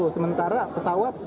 enam dua puluh sementara pesawat